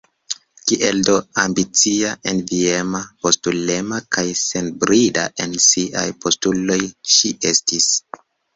Kiel do ambicia, enviema, postulema kaj senbrida en siaj postuloj ŝi estis!